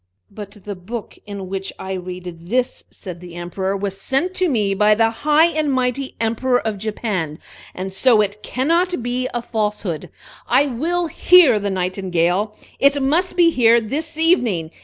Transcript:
"But the book in which I read this," said the Emperor, "was sent to me by the high and mighty Emperor of Japan, and so it cannot be a falsehood. I will hear the Nightingale! It must be here this evening!